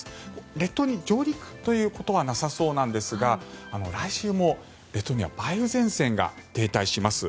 列島に上陸ということはなさそうなんですが来週も列島には梅雨前線が停滞します。